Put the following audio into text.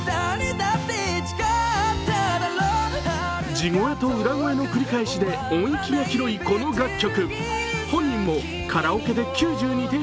地声と裏声の繰り返しで音域の広いこの楽曲。